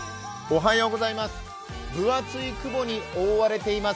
分厚い雲に覆われています。